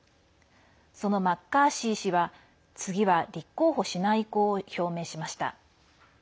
そのマッカーシー氏は、次は立候補しない意向を表明しました。